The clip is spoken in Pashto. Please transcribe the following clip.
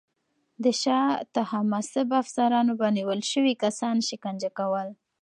د شاه طهماسب افسرانو به نیول شوي کسان شکنجه کول.